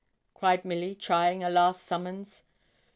cried Milly, trying a last summons.